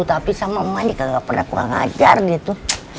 tapi sama emak dia nggak pernah kurang ajar gitu